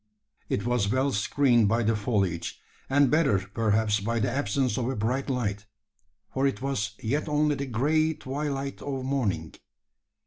It was well screened by the foliage, and better perhaps by the absence of a bright light: for it was yet only the grey twilight of morning.